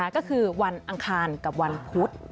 ก็คือวันอังคารกับวันพุธ